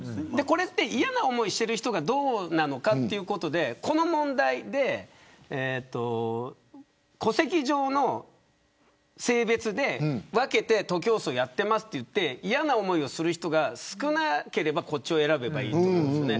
嫌な思いをしている人がどうなのかということでこの問題で戸籍上の性別で分けて徒競走やっているといって嫌な思いをする人が少なければこっちを選べばいいと思うんです。